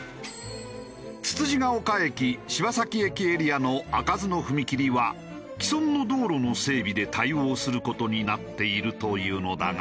つつじヶ丘駅柴崎駅エリアの開かずの踏切は既存の道路の整備で対応する事になっているというのだが。